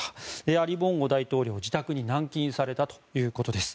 アリ・ボンゴ大統領は自宅に軟禁されたということです。